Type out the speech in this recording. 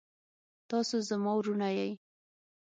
تاسو زما وروڼه يې.